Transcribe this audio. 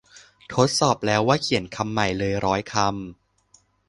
ทดสอบแล้วว่าเขียนคำใหม่เลยร้อยคำ